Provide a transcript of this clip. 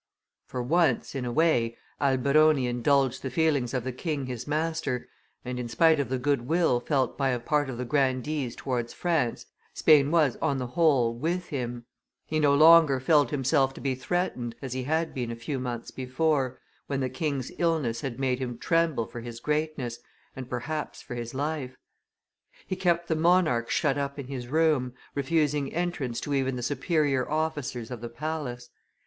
For once, in a way, Alberoni indulged the feelings of the king his master, and, in spite of the good will felt by a part of the grandees towards France, Spain was, on the whole, with him; he no longer felt himself to be threatened, as he had been a few months before, when the king's illness had made him tremble for his greatness, and perhaps for his life. He kept the monarch shut up in his room, refusing entrance to even the superior officers of the palace.